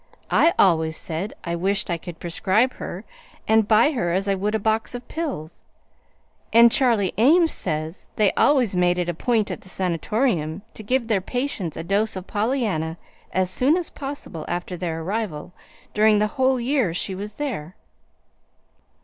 I ALWAYS said I wished I could prescribe her and buy her as I would a box of pills; and Charlie Ames says they always made it a point at the Sanatorium to give their patients a dose of Pollyanna as soon as possible after their arrival, during the whole year she was there."